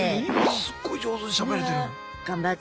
今すっごい上手にしゃべれてる。